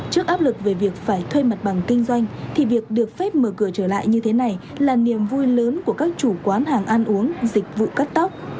trước áp lực về việc phải thuê mặt bằng kinh doanh thì việc được phép mở cửa trở lại như thế này là niềm vui lớn của các chủ quán hàng ăn uống dịch vụ cắt tóc